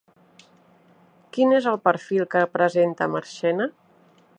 Quin és el perfil que presenta Marchena?